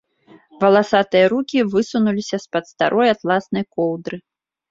Валасатыя рукі высунуліся з-пад старой атласнай коўдры.